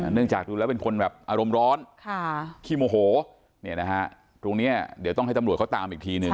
จากดูแล้วเป็นคนแบบอารมณ์ร้อนขี้โมโหตรงนี้เดี๋ยวต้องให้ตำรวจเขาตามอีกทีหนึ่ง